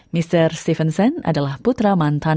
mr stevenson adalah putra mantan